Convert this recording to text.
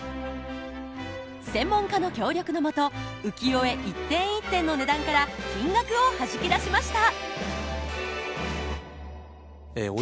専門家の協力の下浮世絵一点一点の値段から金額をはじき出しました！